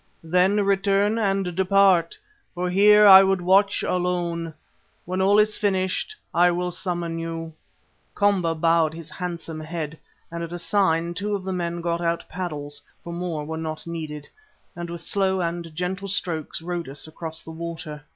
Then return and depart, for here I would watch alone. When all is finished I will summon you." Komba bowed his handsome head and at a sign two of the men got out paddles, for more were not needed, and with slow and gentle strokes rowed us across the water.